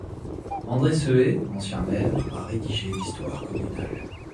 André Sehet, ancien maire, a rédigé l'histoire communale.